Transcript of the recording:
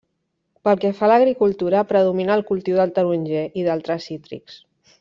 Pel que fa a l'agricultura, predomina el cultiu del taronger i d'altres cítrics.